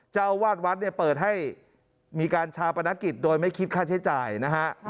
เจ้าวาดวัดเนี่ยเปิดให้มีการชาปนกิจโดยไม่คิดค่าใช้จ่ายนะฮะ